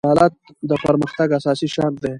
عدالت د پرمختګ اساسي شرط دی.